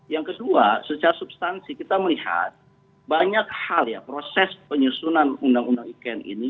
yang kedua secara substansi kita melihat banyak hal ya proses penyusunan undang undang ikn ini